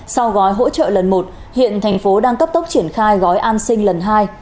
sau gói hỗ trợ lần một hiện thành phố đang cấp tốc triển khai gói an sinh lần hai